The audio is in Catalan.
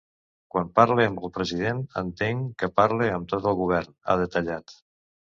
Quan parle amb el president entenc que parle amb tot el govern, ha detallat.